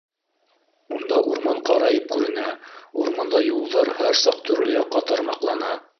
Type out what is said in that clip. Унда урман ҡарайып күренә, урманда юлдар һәр саҡ төрлө яҡҡа тармаҡлана.